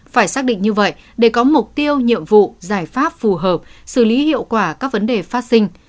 phải xác định như vậy để có mục tiêu nhiệm vụ giải pháp phù hợp xử lý hiệu quả các vấn đề phát sinh